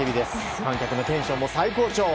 観客のテンションも最高潮！